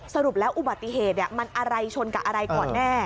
สรุปแล้วอุบัติเหตุมันอะไรชนกับอะไรก่อนแน่